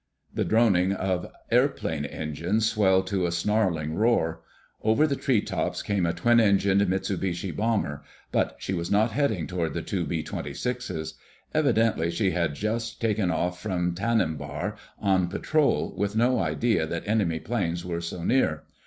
The droning of airplane engines swelled to a snarling roar. Over the treetops came a twin engined Mitsubishi bomber, but she was not heading toward the two B 26's. Evidently she had just taken off from Tanimbar on patrol, with no idea that enemy planes were so near.